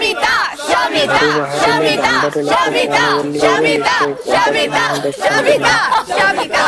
ଘରୁ ବାହାରିଲେ ଦାଣ୍ଡରେ ଲୋକେ କଣ ବୋଲିବେ ବୋଲି ସେ ପଦାକୁ ମୁହଁ ଦେଖାନ୍ତି ନାହିଁ ।